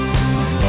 aku bisa berkata kata